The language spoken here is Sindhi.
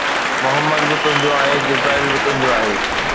محمد به تنهنجو آهي، جبرائيل به تنهنجو آهي